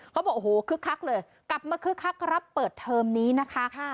เขาบอกโอ้โหคึกคักเลยกลับมาคึกคักรับเปิดเทอมนี้นะคะ